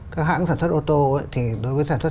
các hãng sản xuất ô tô thì đối với sản xuất